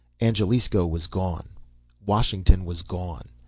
Angelisco was gone. Washington was gone.